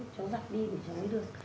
cháu giặt đi để cháu mới được